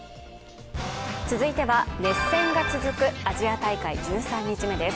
続いては、熱戦が続くアジア大会１３日目です。